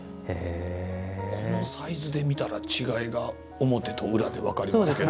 このサイズで見たら違いが表と裏で分かりますけど。